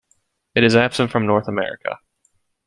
It is absent from North America.